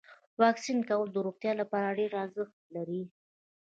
واکسین کول د روغتیا لپاره ډیر ارزښت لري.